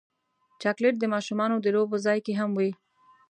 چاکلېټ د ماشومانو د لوبو ځای کې هم وي.